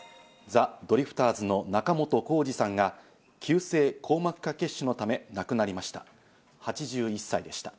ザ・ドリフターズの仲本工事さんが急性硬膜下血腫のため亡くなりました。